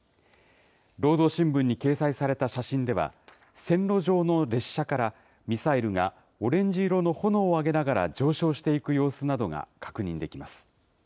労働新聞に掲載された写真では、線路上の列車からミサイルがオレンジ色の炎を上げながら上昇していく様子などが確認できます。